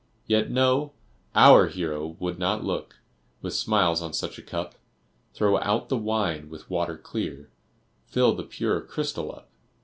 Yet, no our hero would not look With smiles on such a cup; Throw out the wine with water clear, Fill the pure crystal up.